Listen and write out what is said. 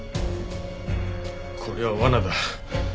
これは罠だ。